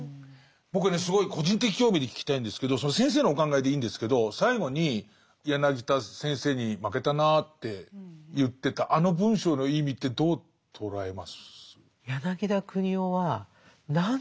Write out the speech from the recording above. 僕はねすごい個人的興味で聞きたいんですけど先生のお考えでいいんですけど最後に柳田先生に負けたなって言ってたあの文章の意味ってどう捉えます？